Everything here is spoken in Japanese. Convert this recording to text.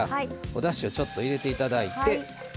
おだしをちょっと入れて頂いて。